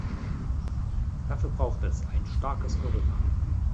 Dafür braucht es ein starkes Europa.